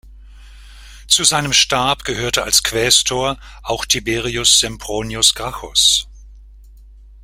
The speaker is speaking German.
Zu seinem Stab gehörte als Quästor auch Tiberius Sempronius Gracchus.